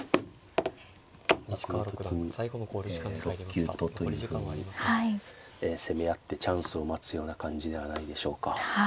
この時に６九とというふうに攻め合ってチャンスを待つような感じではないでしょうか。